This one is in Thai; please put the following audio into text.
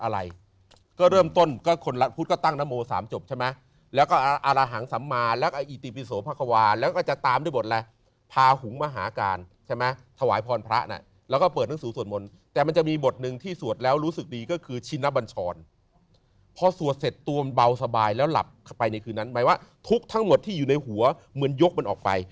หรือสิ่งศักดิ์สิทธิ์ประจำที่นั้นบอกว่าเขาจะต้องได้มาอยู่ที่นี่ไง